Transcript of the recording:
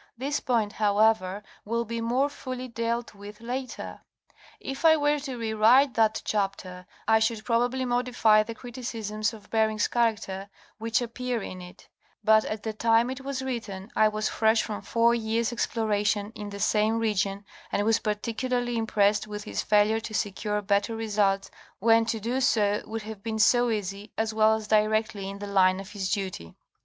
This point, however, will be more fully dealt with later. If I were to re write that chapter I should probably modify the criticisms of Bering's character which appear in it; but at the time it was written I was fresh from four years' exploration in the same region, and was particularly impressed with his failure to secure better results when to do so would have been so easy, as well as directly in the line of his duty.